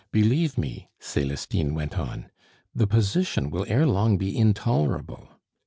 "Believe me," Celestine went on, "the position will ere long be intolerable.